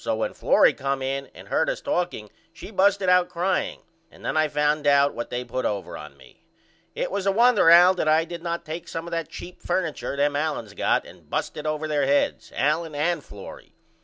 So when Florrie come in and heard us talking she busted out crying and then I found out what they put over on me. It was a wonder Al that I did not take some of that cheap furniture them Aliens got and bust it over there heads, Allen and Florrie.